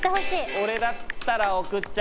俺だったら送っちゃうな。